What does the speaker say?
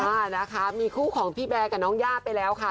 อ่านะคะมีคู่ของพี่แบร์กับน้องย่าไปแล้วค่ะ